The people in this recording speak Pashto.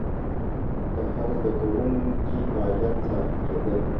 د هر زده کوونکي فعالیت څارل کېده.